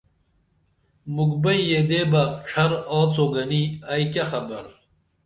مُکھ بئیں یدے بہ ڇھر آڅو گنی ائی کیہ خبر